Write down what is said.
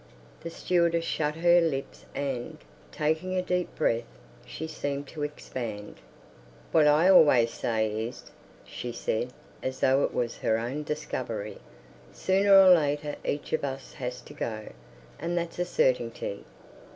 The stewardess shut her lips and, taking a deep breath, she seemed to expand. "What I always say is," she said, as though it was her own discovery, "sooner or later each of us has to go, and that's a certingty."